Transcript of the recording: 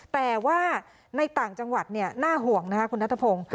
แต่ว่าในต่างจังหวัดน่าห่วงนะคะคุณนัทพงศ์